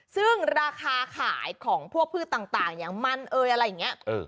ซึ่งราคาขายของพวกพืชต่างอย่างมันเอ่ยอะไรอย่างนี้